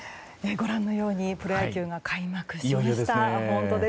ご覧のようにプロ野球が開幕しました。